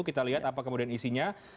kita lihat apa kemudian isinya